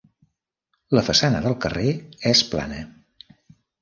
La façana del carrer és plana.